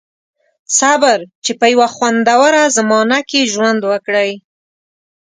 • صبر، چې په یوه خوندوره زمانه کې ژوند وکړئ.